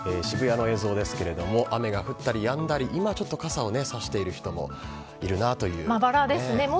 渋谷の映像ですけれども、雨が降ったりやんだり、今ちょっと傘を差している人もいるなというね。